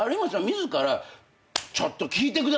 自ら「ちょっと聞いてくださいよ」